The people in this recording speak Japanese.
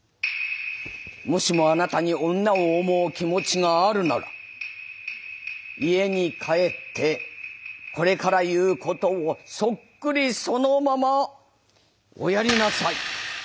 もしもあなたに女を思う気持ちがあるなら家に帰ってこれから言うことをそっくりそのままおやりなさい。